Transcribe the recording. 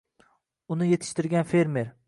uni yetishtirgan fermer